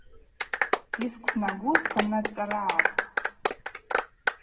Йсквнагу саннацӏарагӏатӏ.